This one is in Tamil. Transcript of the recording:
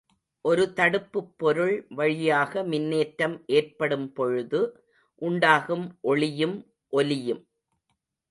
ஒரு தடுப்புப் பொருள் வழியாக மின்னேற்றம் ஏற்படும்பொழுது உண்டாகும் ஒளியும் ஒலியும்.